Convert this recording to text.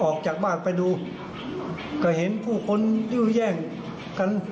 ออกจากบ้านไปดูก็เห็นผู้คนยื้อแย่งกัน